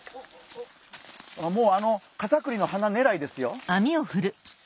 もうあのカタクリの花ねらいですよ。